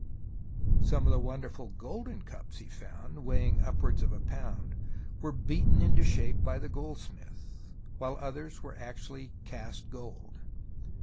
Some of the wonderful golden cups he found, weighing upwards of a pound, were beaten into shape by the goldsmith, others were actually cast gold.